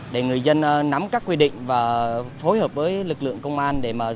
để người dân nắm các quy định và phối hợp với lực lượng công an